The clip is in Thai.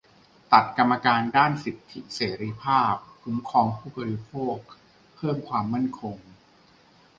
ตัดกรรมการด้านสิทธิเสรีภาพ-คุ้มครองผู้บริโภค เพิ่มความมั่นคง